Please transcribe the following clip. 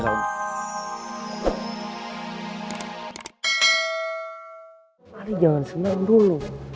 ale jangan senang dulu